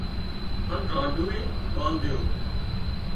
هانَ رانڍوئي ٻاڌيو